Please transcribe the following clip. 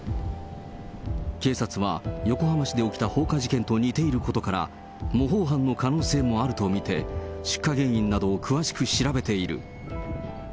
警察は、横浜市で起きた放火事件と似ていることから、模倣犯の可能性もあると見て、出火原因などを詳しく調べている。